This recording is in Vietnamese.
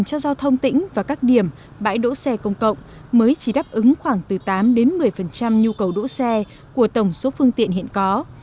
cho giao thông tỉnh và các điểm bãi đỗ xe công cộng mới chỉ đáp ứng khoảng từ tám đến một mươi nhu cầu đỗ xe của tổng số phương tiện hiện có